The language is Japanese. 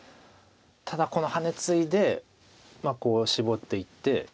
ただこのハネツイでこうシボっていって。